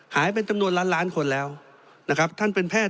เป็นจำนวนล้านล้านคนแล้วนะครับท่านเป็นแพทย์